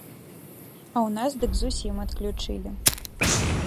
А ў нас дык зусім адключылі.